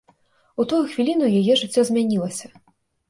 У тую хвіліну яе жыццё змянілася.